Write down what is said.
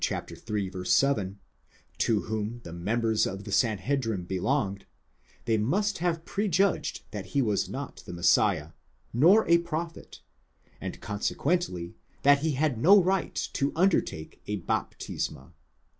iii. 7), to whom ,the members of the Sanhedrim belonged, they must have pre judged that he was not the Messiah, nor a prophet, and consequently, that he had no right to undertake a βάπτισμα.